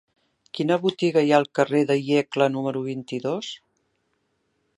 Quina botiga hi ha al carrer de Iecla número vint-i-dos?